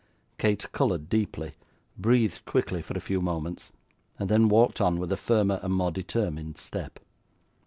Kate coloured deeply, breathed quickly for a few moments, and then walked on with a firmer and more determined step.